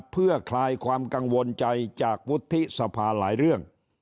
เพื่อคลายความกังวลใจจากวุฒิสภาหลายเรื่อง